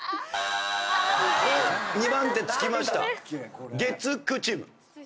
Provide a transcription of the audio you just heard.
２番手つきました月９チーム。